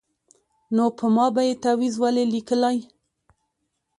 نو په ما به یې تعویذ ولي لیکلای